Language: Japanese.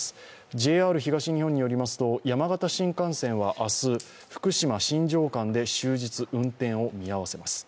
ＪＲ東日本によりますと、山形新幹線は明日、福島−新庄間で終日運転を見合わせます。